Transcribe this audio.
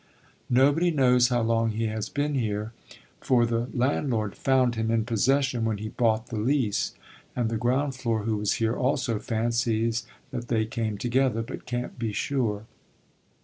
Nobody knows how long he has been here; for the landlord found him in possession when he bought the lease, and the ground floor, who was here also, fancies that they came together, but can't be sure.